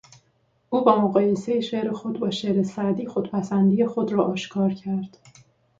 او با مقایسهی شعر خود با شعر سعدی خودپسندی خود را آشکار کرد.